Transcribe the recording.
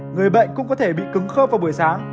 người bệnh cũng có thể bị cứng khớp vào buổi sáng